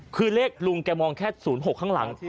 คือเลขลุงแกมองแค่๐๖ข้างหลัง